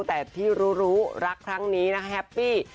แต่ที่รู้รักครั้งนี้นะคะแฮปปี้